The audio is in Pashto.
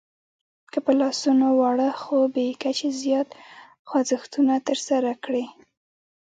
که په لاسونو واړه خو بې کچې زیات خوځښتونه ترسره کړئ